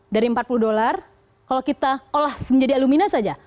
dari empat puluh dolar kalau kita olah menjadi alumina saja